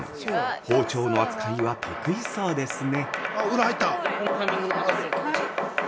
包丁の扱いは得意そうですね。